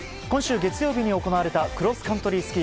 今週月曜日に行われたクロスカントリー